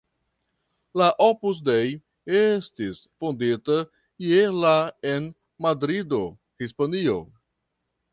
La Opus Dei estis fondita je la en Madrido, Hispanio.